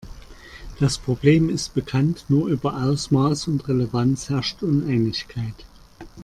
Das Problem ist bekannt, nur über Ausmaß und Relevanz herrscht Uneinigkeit.